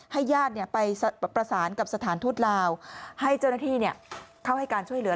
ญาติไปประสานกับสถานทูตลาวให้เจ้าหน้าที่เข้าให้การช่วยเหลือ